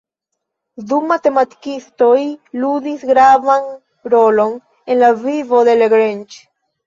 Du matematikistoj ludis gravan rolon en la vivo de Lagrange.